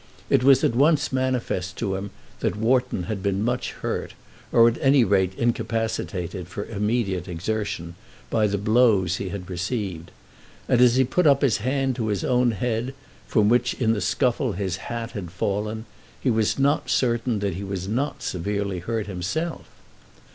It was at once manifest to him that Wharton had been much hurt, or at any rate incapacitated for immediate exertion, by the blows he had received; and as he put his hand up to his own head, from which in the scuffle his hat had fallen, he was not certain that he was not severely hurt himself.